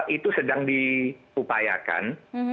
itu sedang diupayakan